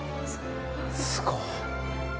すごっ。